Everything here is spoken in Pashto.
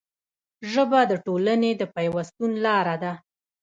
ژبه د ټولنې د پیوستون لاره ده